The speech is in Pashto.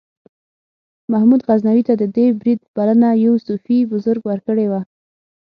محمود غزنوي ته د دې برید بلنه یو صوفي بزرګ ورکړې وه.